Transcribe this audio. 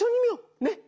ねっ。